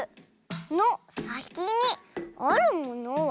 「のさきにあるものは？」